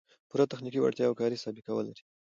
پوره تخنیکي وړتیا او کاري سابقه و لري